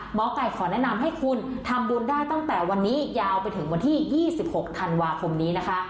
หมอไก่ขอแนะนำให้คุณทำบุญได้ตั้งแต่วันนี้ยาวไปถึงวันที่๒๖ธันวาคมนี้นะคะ